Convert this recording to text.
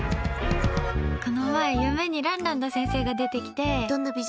この前、夢にランランド先生が出てきて。